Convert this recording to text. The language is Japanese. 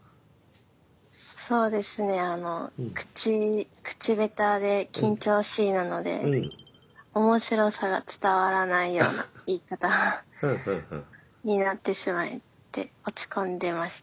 そうですねあの口口下手で緊張しいなので面白さが伝わらないような言い方になってしまって落ち込んでました。